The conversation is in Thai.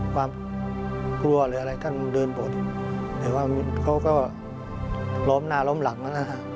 ความกลัวหรืออะไรท่านเดินบดแต่ว่าเขาก็ล้อมหน้าล้อมหลังนะฮะ